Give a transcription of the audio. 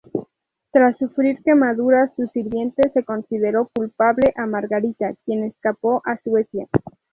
Tras sufrir quemaduras su sirviente, se consideró culpable a Margarita, quien escapó a Suecia.